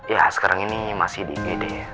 ya sekarang ini masih di igd ya